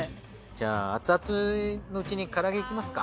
じゃあアツアツのうちにから揚げいきますか。